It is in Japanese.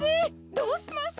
どうしましょう。